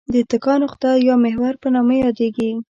د اتکا نقطه یا محور په نامه یادیږي.